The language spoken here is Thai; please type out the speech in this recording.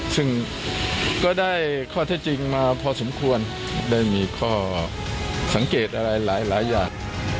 ซึ่งก็ได้ข้อเท็จจริงมาพอสมควรได้มีข้อสังเกตอะไรหลายอย่าง